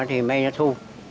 thì may nó thu